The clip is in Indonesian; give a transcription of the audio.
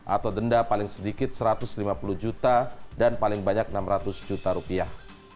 atau denda paling sedikit satu ratus lima puluh juta dan paling banyak enam ratus juta rupiah